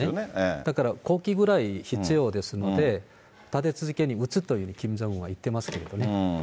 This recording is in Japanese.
だから、５基ぐらい必要ですので、立て続けに打つとキム・ジョンウンは言ってますけどね。